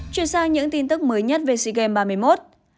chuyển sang những tin tức mới nhất về sea games ba mươi một